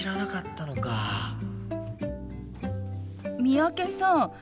三宅さん